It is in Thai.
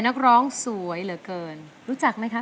ถ้าพร้อมแล้วอินโทรมาเลยครับ